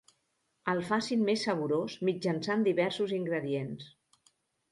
El facin més saborós mitjançant diversos ingredients.